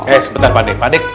eh sebentar pak d